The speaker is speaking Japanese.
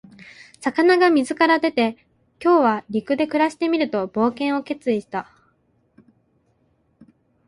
魚が水から出て、「今日は陸で暮らしてみる」と冒険を決意した。